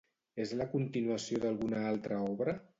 És la continuació d'alguna altra obra?